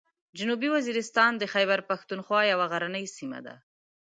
جنوبي وزیرستان د خیبر پښتونخوا یوه غرنۍ سیمه ده.